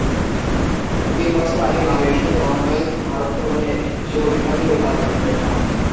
তিন বছর আগে মালয়েশিয়ায় কমনওয়েলথ ভারোত্তোলনে যুব বিভাগে রুপা জেতেন রেশমা।